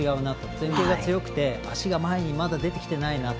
前傾が強くて足が前にまだ出てきていないと。